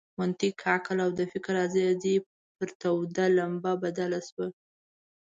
منطق، عقل او د فکر آزادي پر توده لمبه بدله شوه.